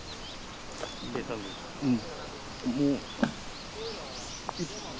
うん。